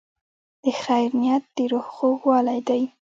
د خیر نیت د روح خوږوالی دی.